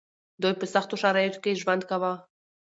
دوی په سختو شرايطو کې ژوند کاوه.